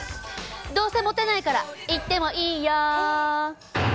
どうせモテないから行ってもいいよ！